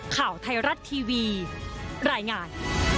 ข่าวไทยรัฐทีวีรายงาน